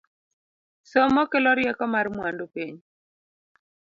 Somo kelo rieko mar mwandu piny